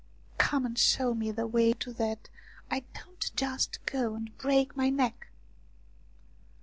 " Come and show me the way so that I don't just go and break my neck."